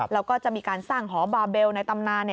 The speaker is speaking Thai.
แล้วก็จะมีการสร้างหอบาเบลในตำนาน